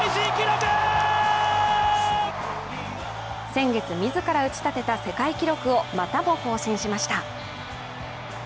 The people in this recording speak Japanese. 先月、自ら打ち立てた世界記録をまたも更新しました。